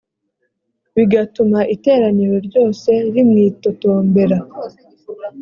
bigatuma iteraniro ryose rimwitotombera